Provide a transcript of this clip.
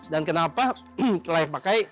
dan kenapa layak pakai